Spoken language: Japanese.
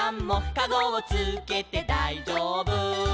「かごをつけてだいじょうぶ」